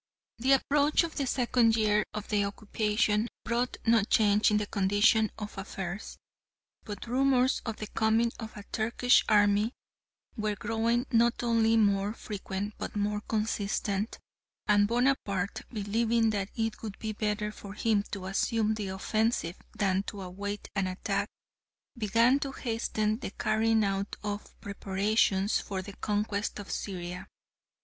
The approach of the second year of the occupation brought no change in the condition of affairs, but rumours of the coming of a Turkish army were growing not only more frequent but more consistent, and Bonaparte, believing that it would be better for him to assume the offensive than to await an attack, began to hasten the carrying out of preparations for the conquest of Syria.